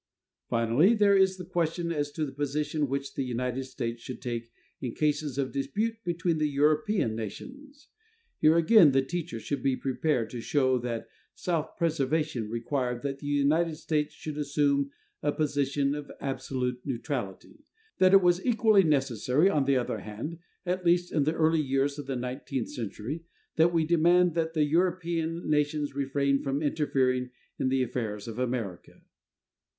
Finally, there is the question as to the position which the United States should take in cases of dispute between the European nations. Here again the teacher should be prepared to show that self preservation required that the United States should assume a position of absolute neutrality, that it was equally necessary, on the other hand, at least in the early years of the nineteenth century, that we demand that the European nations refrain from interfering in the affairs of America.